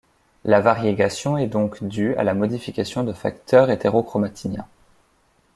La variégation est donc due à la modification de facteurs hétérochromatiniens.